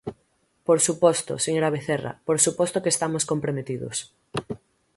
Por suposto, señora Vecerra, por suposto que estamos comprometidos.